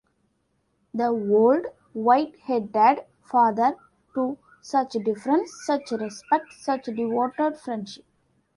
The old, white-headed father, too — such deference — such respect — such devoted friendship!